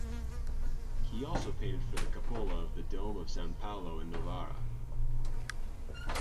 He also painted for the cupola of the dome of San Paolo in Novara.